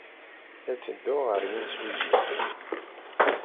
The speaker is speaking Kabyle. La ttedduɣ ɣer yimsujji.